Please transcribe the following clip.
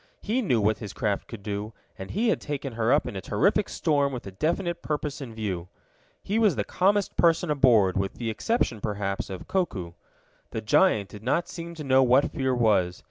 He knew what his craft could do, and he had taken her up in a terrific storm with a definite purpose in view. He was the calmest person aboard, with the exception, perhaps, of Koku. The giant did not seem to know what fear was.